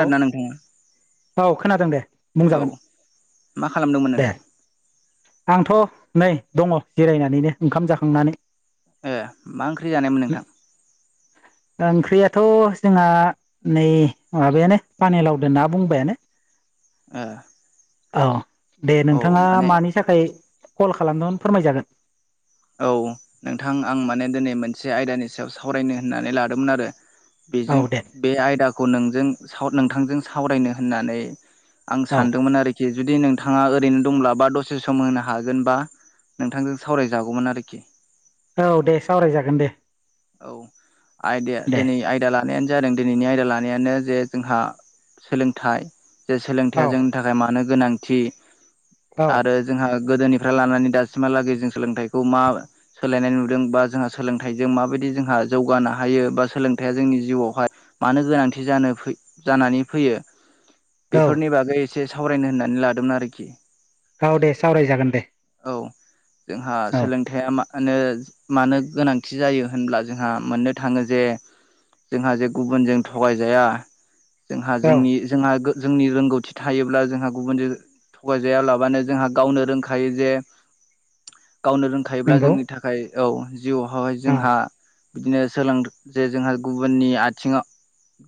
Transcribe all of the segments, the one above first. औ नोंथाङा औ खोनादों दे बुंजागोन औ मा खालामदोंमोन दे नोंथां आंथ' नै दंङ जिरायनानैनो ओंखाम जाखांनानै। ओ मा ओंख्रि जानायमोन नोंथां? ओ ओंख्रियाथ' जोंहा नै माबायानो पाने लावदो ना बुंबायानो। ओ अ दे नोंथांङा माने मानि थाखाय कल खालामदोंमोन फोरमायजागोन। औ नोंथां आं माने दिनै मोनसे आयदानि सायाव सावरायनो होननानै लादोंमोन आरो। बेजों औ दे बे आयदाखौ नोंजों साव नोंथांजों सावरायनो होननानै आं औ सानदोंमोन आरो खि जुदि नोंथांङा ओरैनो दंब्ला बा दसे सम होनो हागोनबा नोंथांजों सावराय जागौमोन आरोखि औ दे सावरायजागोन दे। औ आयदाया दे दिनै आयदा ला नायानो जादों दिनैनि आयदा लानायानो जे जोंहा सोलोंथाइ जे औ सोलोंथाइया जों थाखाय मानो गोनांथि औ आरो जोंहा गोदोनिफ्राय लानानै दासिमहालागै जों सोलोंथाइखौ मा सोलायनाय नुदों बा जोंहा सोलोंथाइजों माबाय दि जोंहा जौगानो हायो बा सोलोंथाइया जोंनि जिउआवहाय मानो गोनांथि जानो फै जानानै फैयो। औ बेफोरनि बागै एसे सावरायनो होननानै लादोंमोन आरोखि। औ दे सावरायजागोन दे। औ जोंहा औ सोलोंथायाइया माहोनो मानो गोनांथि जायो होनब्ला जोंहा मोननो थांङो जे जोंहा जे गुबुनजों थगायजाया। जोंहा औ जोंनि जोंहा जोंनि गो रोंगौथि थायोब्ला जोंहा गुबुनजो थगायजायालाबानो जोंहा गावनो रोंखायो जे गावनो रों खायोब्ला नंगौ जोंनि थाखाय औ जिउआवहहाय औ जोंहा बिदिनो सोलों जे जोंहा गुबुननि आथिंङाव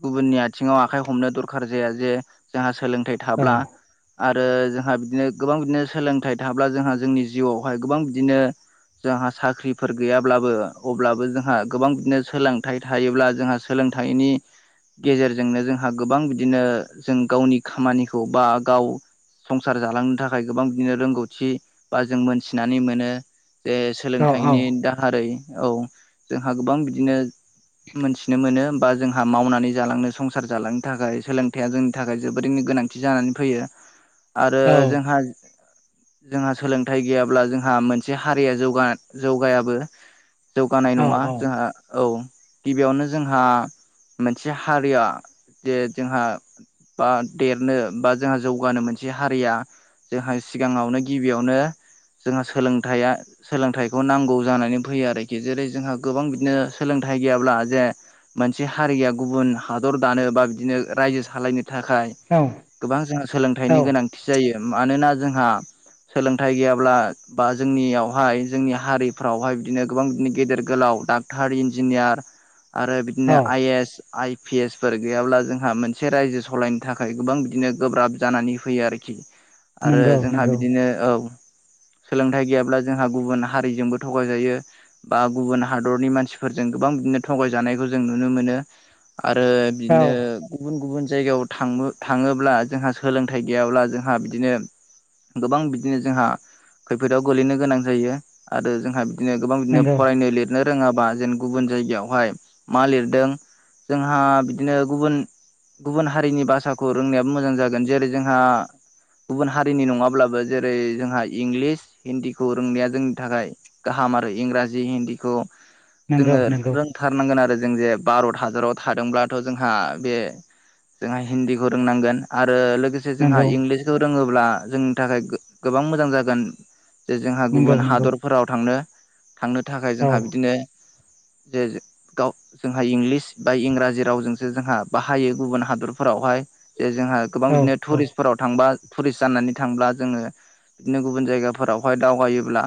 गुबुननि आथिंङाव आखाइ हमनो दरखार जाया जे जोंहा सोलोंथाइ औ थाब्ला आरो जोंहा बिदिनो गोबां बिदिनो सोलोंथाइ थाब्ला जोंहा जोंनि जिउआवहाय गोबां बिदिनो जोंहा साख्रिफोर गैयाब्लाबो अब ब्लाबो जोंहा गोबां बिदिनो सोलोंथाइ थायोब्ला जोंहा सोलोंथाइनि गेजेरजोंनो जोंहा गोबां बिदिनो जों गावनि खामानिखौ बा गाव संसार जालांनो थाखाय गोबां बिदिनो रोंगौथि बा जों मोनथिनानै मोनो जे औ औ सोलोंथाइनि दाहारै औ जोंहा गोबां बिदिनो मोनथिनो मोनो बा जोंहा मावनानै जालांनो संसार जालांनो थाखाय सोलोंथाइया जोंनि थाखाय जोबोरैनो गोनांथि जानानै फैयो। आरो जोंहा जोंहा सोलोंथाइ गैयाब्ला जोंहा मोनसे हारिया जौगा जौगायाबो जौगानाय नङा जोंहा औ औ गिबियावनो जोंहा मोनसे हारिया जे जोंहा बा देरनो बा जोंहा जौगानो मोनसे हारिया जोंहा सिगाङावनो गिबियावनो जोंहा सोलोंथाइ सोलोंथाइखौ नांगौ जानानै फैयो आरोखि जेरै जोंहा गोबां बिदिनो सोलोंथाइ गैयाब्ला जे मोनसे हारिया गुबुन हादर दानो बा बिदिनो रायजो सालायनो थाखाय औ गोबां जोंहा औ सोलोंथाइनि गोनांथि जायो मानोना जोंहा सोलोंथाइ गैयाब्ला बा जोंनियावहाय जोंनि हारिफ्रावहाय बिदिनो गोबां बिदिनो गेदेर गोलाव डाक्टार इन्जिनियार आरो औ बिदिनो I A S I P S four गैयाब्ला जोंहा मोनसे रायजो सालायनो थाखाय गोबां बिदिनो गोब्राब जानानै फैयो आरोखि आरो नंगौ जोंहा नंगौ बिदिनो औ सोलोंथाइ गैयाब्ला जोंहा गुबुन हारिजोंबो थगायजायो बा गुबुन हादरनि मानसिफोरजों गोबां बिदिनो थगायजानायखौ जों नुनो मोनो आरो औ बिदिनो गुबुन गुबुन जायगायाव थां थाङोब्ला जोंहा सोलोंथाइ गैयाब्ला जोंहा बिदिनो गोबां बिदिनो जोंहा खैफोदाव गोलैनो गोनां जायो आरो जोंहा बिदिनो गोबां बिदिनो नंगौ फरायनो लिरनो रोङाबा जेन गुबुन जायगायावहाय मा लिरदों? जोंहा बिदिनो गुबुन गुबुन हारिनि भाषाखौ रोंनायाबो मोजां जागोन जेरै जोंहा गुबुन हारिनि नङाब्लाबो जेरै जोंहा इंलिस हिन्दीखौ रोंनाया जोंनि थाखाय गाहाम आरो इंराजि हिन्दीखौ नंगौ जोङो नंगौ रों थारनांगोन आरो जों जे भार'त हाजाराव थादोंब्लाथ' जोंहा बे जोंहा हिन्दीखौ रोंनांगोन आरो लोगोसे से जोंहा नंगौ इंलिसखौ रोङोब्ला जोंनि थाखाय गोबां मोजां जागोन जे जोंहा नंगौ गुबुन नंगौ हादरफोराव थांनो थांनो थाखाय औ जोंहा बिदिनो जे गाव जोंहा इंलिस बा इंराजि रावजोंसो जोंहा बाहायो गुबुन हादरफोरावहाय जे जोंहा गोबां औ बिदिनो औ टुरिस्टफोराव थांबा टुरिस्ट जानानै थांब्ला जोङो बिदिनो गुबुन जायगाफोरावहाय दावबायोब्ला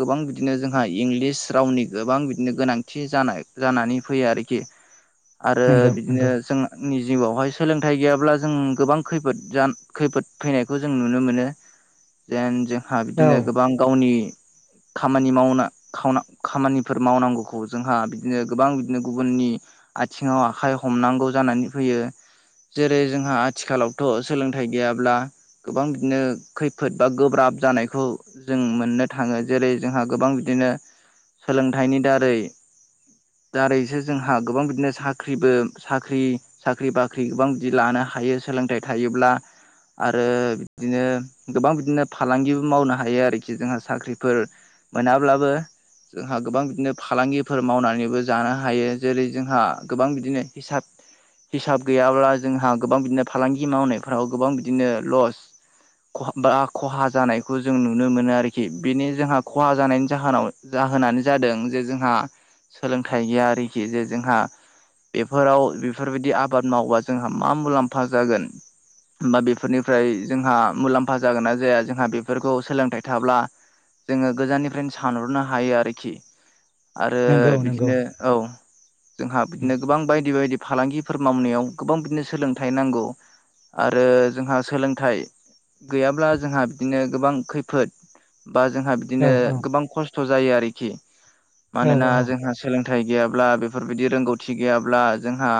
गोबां बिदिनो जोंहाय इंलिस रावनि गोबां बिदिनो गोनांथि जानाय जानानै फैयो आरोखि आरो नंगौ बिदिनो नंगौ जोंनि जिउआवहाय सोलोंथाइ गैयाब्ला जों गोबां खैफोद जा खैफोद फैनायखौ जों नुनो मोनो जेन जोंहा औ बिदिनो गोबां गावनि खामानि मावना खावना खामानिफोर मावनांगौखौ जोंहा बिदिनो गोबां बिदिनो गुबुननि आथिङाव आखाइ हमनांगौ जानानै फैयो जेरै जोंहा आथिखालावथ सोलोंथाइ गैयाब्ला गोबां बिदिनो खैफोद बा गोब्राब जानायखौ जों मोननो थाङो जेरै जोंहा गोबां बिदिनो सोलोंथाइनि दारै दारैसो जोंहा गोबां बिदिनो साख्रिबो साख्रि साख्रि बाख्रि गोबां बिदि लानो हायो सोलोंथाइ थायोब्ला आरो बिदिनो गोबां बिदिनो फालांगिबो मावनो हायो आरोखि जोंहा साख्रिफोर मोनाब्लाबो जोंहा गोबां बिदिनो फालांगिफोर मावनानैबो जानो हायो जेरै जोंहा गोबां बिदिनो हिसाब हिसाब गैयाब्ला जोंहा गोबां बिदिनो फालांगि मावनायफ्राव गोबां बिदिनो लस खहाब बा खहा जानायखौ जों नुनो मोनो आरोखि बिनि जोंहा खहा जानायनि जाहोनाव जाहोनानो जादों जे जोंहा सोलोंथाइ गैया आरोखि जे जोंहा बेफोराव बेफोरबायदि आबाद मावबा जोंहा मा मुलाम्फा जागोन? बा बेफोरनिफ्राय जोंहा मुलाम्फा जागोन ना जाया जोंहा बेफोरखौ सोलोंथाइ थाब्ला जोङो गोजाननिफ्रायनो सानहरनो हायो आरोखि, आरो नंगौ नंगौ बिदिनो औ जोंहा उम बिदिनो गोबां बायदि बायदि। फालांगिफोर मावनायाव गोबां बिदिनो सोलोंथाइ नांगौ आरो जोंहा सोलोंथाइ गैयाब्ला जोंहा बिदिनो गोबां खैफोद बा जोंहा औ बिदिनो औ गोबां खस्थ जायो आरोखि औ मानोना जोंहा सोलोंथाइ गैयाब्ला बेफोरबायदि रोंगौथि गैयाब्ला जोंहा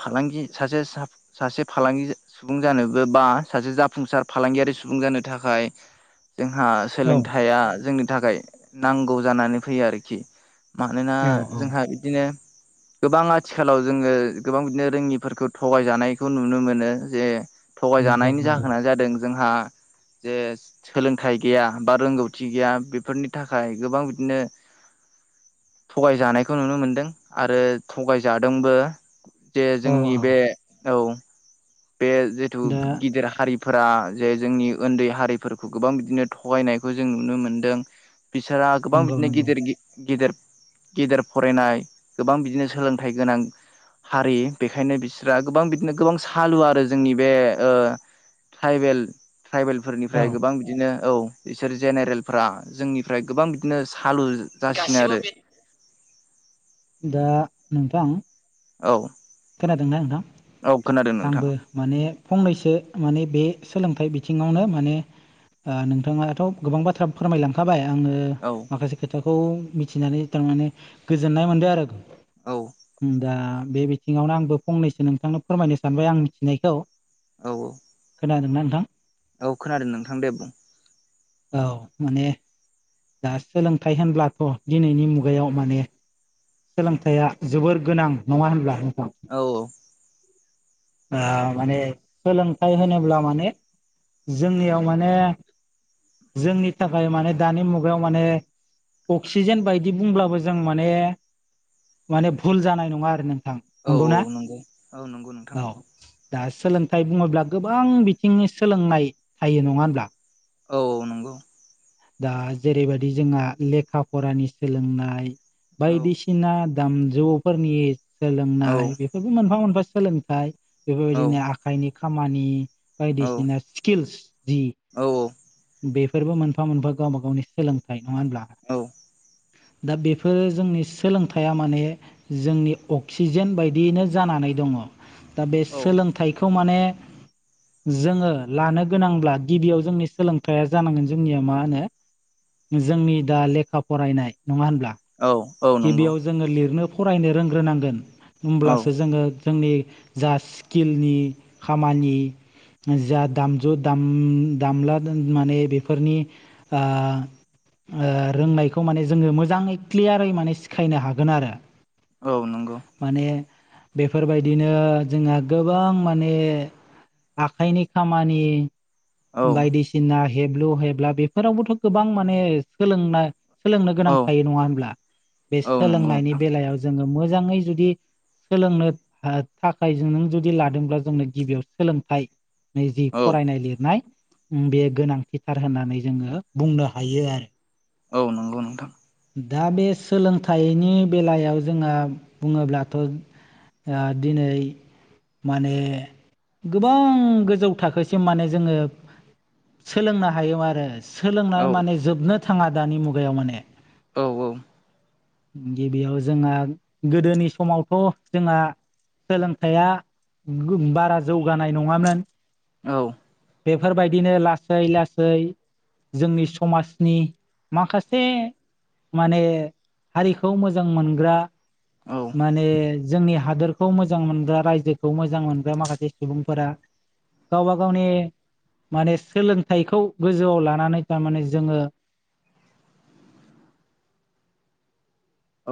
फालांगि सासे सा सासे फालांगि सुबुं जानोबो बा सासे जाफुंसार फालांगियारि सुबुं जानो थाखाय जोंहा औ सोलोंथाइया जोंनो थाखाय नांगौ जानानै फैयो आरोखि। मानोना औ औ जोंहा बिदिनो गोबां आथिखालाव जोङो गोबां बिदिनो रोङिफोरखौ थगायजानायखौ नुनो मोनो जे नंगौ थगायजानायनि नंगौ जाहोना जादों जोंहा जे सोलोंथाइ गैया बा रोंगौथि गैया बेफोरनि थाखाय गोबां बिदिनो थगायजानायखौ नुनो मोनदों आरो थगायजादोंबो जे औ जोंनि औ बे औ बे जिथु दा गिदिर हारि फोरा जे जोंनि ओन्दै हारिफोरखौ गोबां बिदिनो थगायनायखौ जों नुनो मोनदों। बिसोरा गोबां नंगौ बिदिनो नंगौ गिदिर गि- गेदेर गेदेर फरायनाय, गोबां बिदिनो सोलोंथाइ गोनां, हारि बेखायनो बिस्रा गोबां बिदिनो गोबां हालुवा आरो जोंनि बे ओ ट्राइबेल - औ ट्राइबेलफोरनिफ्राय गोबां बिदिनो औ बिसोर जेनेरेलफ्रा जोंनिफ्राय गोबां बिदिनो सालु जासिनो गासिबो आरो बे दा नोंथां औ खोनादोंना औ खोनादों नोंथां नोंथां आंबो माने फंनैसो माने बे सोलोंथाइ बिथिङावनो माने ओ नोंथाङाथ गोबां बाथ्रा फोरमायलांखाबाय आङो औ माखासे खोथाखौ मिथिनानै थारमाने गोजोननाय मोनदों आरो। औ उम दा बे बिथिङावनो आंबो फंनैसो नोंथांनो फोरमायनो सानबाय आं मिथिनायखौ औ-औ खोनादोंना नोंथां? औ खोनादों नोंथां दे बुं। औ माने, दा सोलोंथाइ होनब्लाथ' दिनैनि मुगायाव माने, सोलोंथाइया जोबोर गोनां नङा होनब्ला नोंथां? औ-औ ओ माने सोलोंथाइ होनोब्ला माने, जोंनियाव माने, जोंनि थाखाय माने दानि मुगायाव माने, अक्सिजेन बायदि बुंब्लाबो जों माने, माने भुल जानाय नङा आरो नोंथां। औ - औ नंगौना नंगौ औ नंगौ नों औ, दा सोलोंथाइ बुङोब्ला गोबां बिथिंनि सोलोंनाय थायो नङा होनब्ला? औ - औ नंगौ। दा जेरैबायदि जोंहा लेखा - फरानि सोलोंनाय, औ बायदिसिना दामजौफोरनि औ सोलोंनाय बेफोरबो मोनफा मोनफा सोलोंथाइ औ बेफोरबायदिनो आखाइनि खामानि औ बायदिसिना स्किल्स जि बेफोरबो मोनफा- मोनफा गावबा गावनि सोलोंथाइ नङा होनब्ला औ औ दा बेफोरो जोंनि सोलोंथाइया माने जोंनि अक्सिजेन बायदियैनो जानानै दङ दा बे सोलोंथाइखौ माने जोङो लानो गोनांब्ला गिबियाव जोंनि सोलोंथाइा जानांगोन जोंनिया मा होनो जोंनि दा लेखा फरायनाय नङा होनब्ला औ नंगौ गिबियाव जोङो लिरनो फरायनो रोंग्रोनांगोन औ होमब्लासो जोङो जोंनि जा स्किलनि खामानि जा दामजु दाम-दामला माने बेफोरनि ओं-ओं रोंनायखौ माने जोङो मोजाङै क्लियार यै माने सिखायनो हागोन आरो। औ नंगौ माने बेफोरबायदिनो जोंहा गोबां माने आखाइनि खामानि औ बायदिसिना हेब्लु हेबला बेफोरावबोथ' गोबां माने सोलोंनाय सोलोंनो गोनां औ थायो नङा होनब्ला बे औ नंगौ सोलोंनायनि नोंथां बेलायाव जोङो मोजाङै जुदि सोलोंनो थाखाय नों जुदि लादोंब्ला जोंनो गिबियाव सोलोंथाइ जि औ फरायनाय लिरनाय बेयो गोनांथिथार होननानै जोङो बुंनो हायो आरो औ नंगौ नोंथां। दा बे सोलोंथाइनि बेलायाव जोङो बुङोब्लाथ' ओ दिनै माने गोबां गोजौ थाखोसिम माने जोङो सोलोंनो हायो आरो सोलोंनो औ माने जोबनो थाङा दानि मुगायाव माने औ औ। गिबियाव जोंहा गोदोनि समावथ' जोंहा सोलोंथाइया बारा जौगानाय नङामोन औ बेफोरबायदिनो लासै लासै जोंनि समाजनि माखासे माने हारिखौ मोजां मोनग्रा औ माने जोंनि हादोरखौ मोजां मोनग्रा रायजोखौ मोजां मोनग्रा माखासे सुबुंफोरा गावबा गावनि माने सोलोंथाइखौ गोजौआव लानानै थारमाने जोङो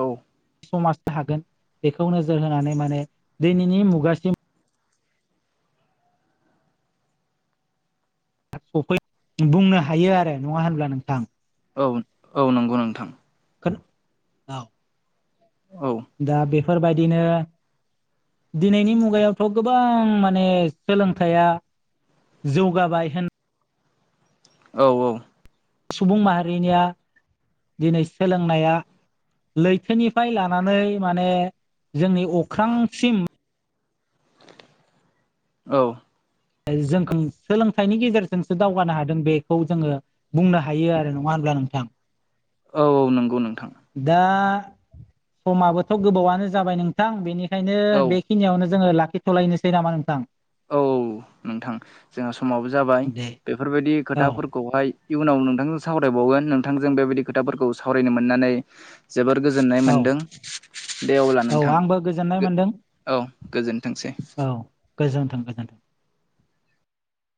औ समाज थागोन बेखौ नोजोर होनानै माने दिनैनि मुगासिम सफै बुंनो हायो आरो नङा होनब्ला नोंथां? औ औ नंगौ नोंथां। [unintelligible] औ। दा बेफोरबायदिनो दिनैनि मुगायावथ' गोबां माने सोलोंथाइया जौगाबाय होन औ औ। सुबुं माहारिनिया दिनै सोलोंनाया लैथोनिफ्राय लानानै माने जोंनि अख्रांसिम औ। जोंखों सोलोंथाइनि गेजेरजोंसो दावगानो हादों बेखौ जोङो बुंनो हायो आरो नङा होनब्ला नोंथां? औ औ नंगौ नोंथां। दा समाबोथ' गोबावयानो जाबाय नोंथां बेनिखायनो औ बे खिनियावनो जोङो लाखिथ'लायनोसै नामा नोंथां? औ औ नोंथां जोंहा समाबो जाबाय दे बेफोरबायदि औ खोथाफोरखौहाय इयुनाव नोंथांजों सावरायबावगोन। नोंथांजों बेबायदि खोथाफोरखौ सावरायनो मोननानै जोबोर गोजोननाय औ मोनदों। दे अब्ला औ नोंथां। आंबो गोजोननाय गो मोनदों औ गोजोनथोंसै। औ गोजोन्थों [unintelligible]